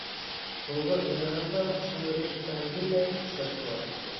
Һуңғы уйнағанда шул репликаһын бирмәй, сыҡты ла китте!